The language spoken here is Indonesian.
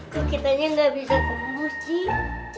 kok kitanya gak bisa kumpul sih